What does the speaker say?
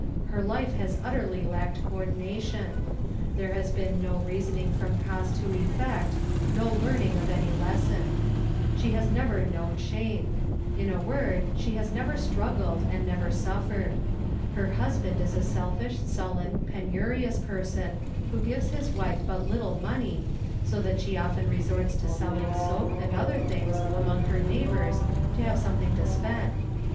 Her life has utterly lacked coordination there has been no reasoning from cause to effect, no learning of any lesson. She 66 THE KALLIKAK FAMILY has never known shame; in a word, she has never struggled and never suffered. Her husband is a selfish, sullen, penurious person who gives his wife but little money, so that she often resorts to selling soap and other things among her neighbors to have something to spend.